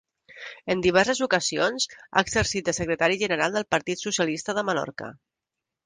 En diverses ocasions, ha exercit de secretari general del Partit Socialista de Menorca.